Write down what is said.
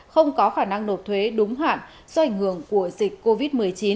không có khả năng nộp thuế đúng hạn do ảnh hưởng của dịch covid một mươi chín